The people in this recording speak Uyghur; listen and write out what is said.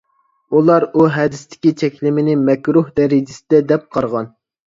ئۇلار ئۇ ھەدىستىكى چەكلىمىنى مەكرۇھ دەرىجىسىدە دەپ قارىغان.